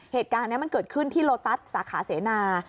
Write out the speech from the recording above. เหตุการณ์นี้มันเกิดขึ้นที่โลตัสสาขาเสนา